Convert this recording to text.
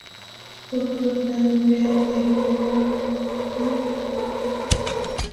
Fue Gobernador Real de Oʻahu y Maui.